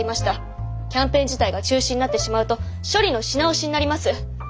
キャンペーン自体が中止になってしまうと処理のし直しになります。